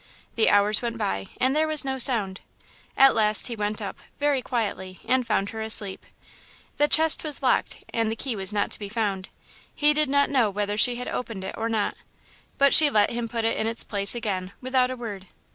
The hours went by and there was no sound. At last he went up, very quietly, and found her asleep. The chest was locked and the key was not to be found. He did not know whether she had opened it or not, but she let him put it in its place again, without a word.